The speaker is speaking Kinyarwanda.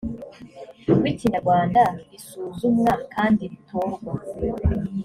rw ikinyarwanda risuzumwa kandi ritorwa